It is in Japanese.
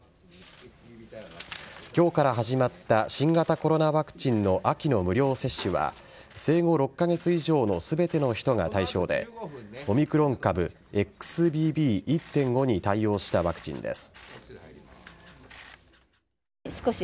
今日から始まった新型コロナワクチンの秋の無料接種は生後６カ月以上の全ての人が対象でオミクロン株ＸＢＢ．１．５に対応したワクチンです。